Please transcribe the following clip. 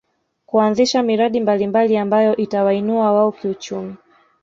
Kuanzisha miradi mbalimbali ambayo itawainua wao kiuchumi